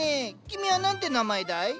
君は何て名前だい？